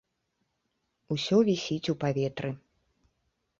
Усё вісіць у паветры.